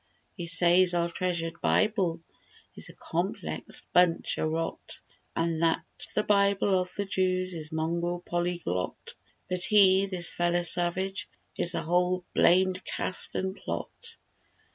He says our treasured Bible Is a complexed bunch o' rot. An' that the Bible of the Jews Is mongrel polyglot; But he, this feller Savage, Is the whole blamed cast an' plot.